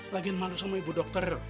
lagian malu sama ibu dokter